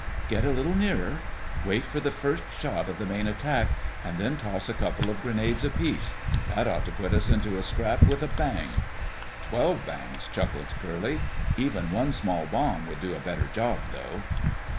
"Get a little nearer; wait for the first shot of the main attack, and then toss a couple of grenades apiece. That ought to put us into the scrap with a bang." "Twelve bangs!" chuckled Curly. "Even one small bomb would do a better job, though."